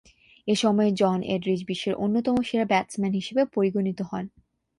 এ সময়ে John Edrich বিশ্বের অন্যতম সেরা ব্যাটসম্যান হিসেবে পরিগণিত হন।